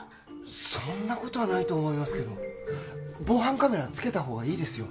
そんなことはないと思いますけど防犯カメラ付けた方がいいですよ